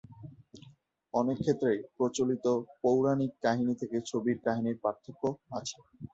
অনেক ক্ষেত্রেই প্রচলিত পৌরাণিক কাহিনী থেকে ছবির কাহিনীর পার্থক্য আছে।